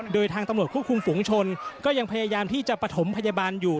โดยทางตำรวจควบคุมฝุงชนก็ยังพยายามที่จะประถมพยาบาลอยู่